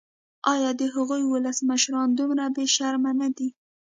ایا د هغوی ولسمشران دومره بې شرمه نه دي.